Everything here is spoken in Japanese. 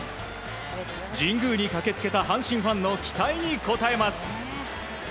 神宮に駆け付けた阪神ファンの期待に応えます。